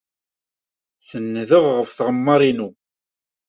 Senndeɣ ɣef tɣemmar-inu.